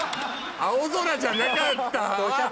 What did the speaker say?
青空じゃなかった。